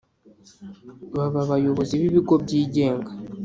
Baba abayobozi b’ibigo byigenga